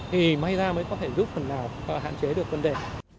thì may ra mới có thể giúp phần nào hạn chế được vấn đề